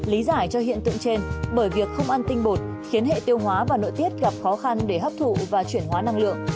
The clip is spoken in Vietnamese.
lý giải cho hiện tượng trên bởi việc không ăn tinh bột khiến hệ tiêu hóa và nội tiết gặp khó khăn để hấp thụ và chuyển hóa năng lượng